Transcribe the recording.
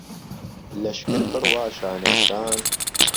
لهشکر بڕوا شانهوشان